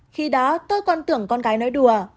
khi đó tôi còn tưởng con gái nói đùa